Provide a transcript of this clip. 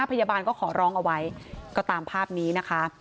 พยาบาลก็ขอร้องเอาไว้ก็ตามภาพนี้นะคะ